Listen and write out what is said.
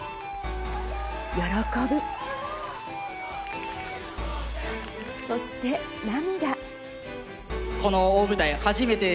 喜びそして涙。